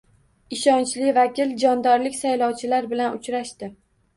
Ishonchli vakil jondorlik saylovchilar bilan uchrashdi